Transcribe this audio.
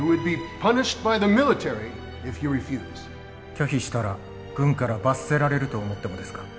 拒否したら軍から罰せられると思ってもですか？